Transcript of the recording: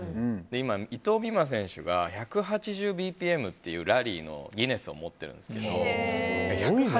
今、伊藤美誠選手が１８０ＢＰＭっていうラリーのギネスを持っているんですけど。